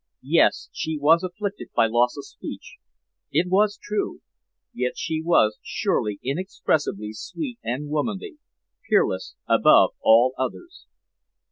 Yes; she was afflicted by loss of speech, it was true, yet she was surely inexpressibly sweet and womanly, peerless above all others.